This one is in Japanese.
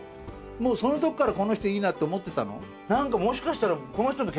もうそのときからこの人いいなって思ってたの？